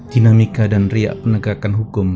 dinamika dan riak penegakan hukum